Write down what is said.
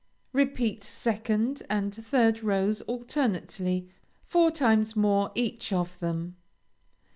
Repeat second and third rows alternately four times more each of them.